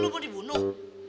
lu mau dibunuh